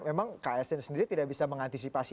memang ksn sendiri tidak bisa mengantisipasi